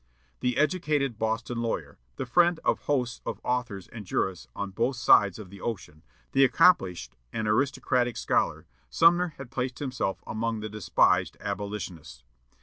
The educated Boston lawyer, the friend of hosts of authors and jurists on both sides of the ocean, the accomplished and aristocratic scholar, Sumner had placed himself among the despised Abolitionists!